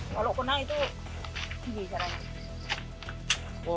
kalau kena itu tinggi caranya